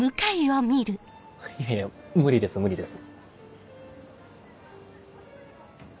いやいや無理です無理です。